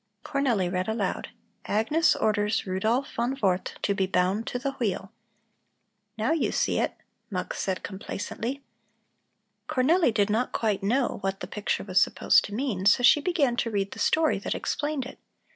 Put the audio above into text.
Cornelli read aloud: "Agnes orders Rudolph von Warth to be bound to the wheel." "Now you see it," Mux said complacently. Cornelli did not quite know what the picture was supposed to mean, so she began to read the story that explained it.